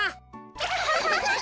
アハハハハ。